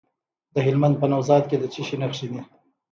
د هلمند په نوزاد کې د څه شي نښې دي؟